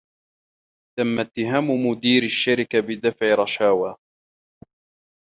تم اتهام مدير الشركة بدفع رشاوى.